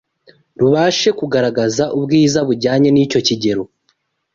rubashe kugaragaza ubwiza bujyanye n’icyo kigero